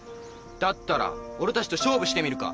だったら俺たちと勝負してみるか？